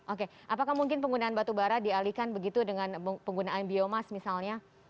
oke apakah mungkin penggunaan batubara dialihkan begitu dengan penggunaan biomas misalnya